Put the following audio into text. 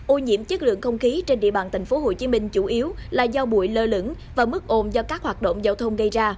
ô nhiễm chất lượng không khí trên địa bàn tp hcm chủ yếu là do bụi lơ lửng và mức ồn do các hoạt động giao thông gây ra